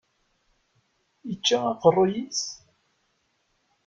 Ičča aqeṛṛuy-is?